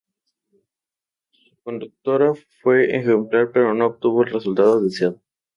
Su conducta fue ejemplar, pero no obtuvo el resultado deseado.